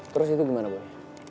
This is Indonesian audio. terus itu gimana boy